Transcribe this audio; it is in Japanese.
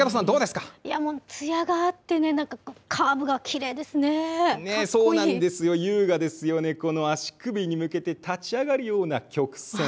もうつやがあってね、なんかそうなんですよ、優雅ですよね、この足首に向けて立ち上がるような曲線。